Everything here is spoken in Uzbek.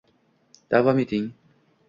davom eting👇👇👇